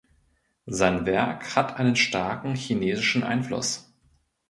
Sein Werk hat einen starken chinesischen Einfluss.